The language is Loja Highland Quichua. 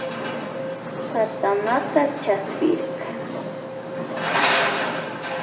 Katanata chapsirka.